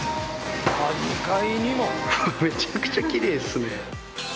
めちゃくちゃ奇麗っすね。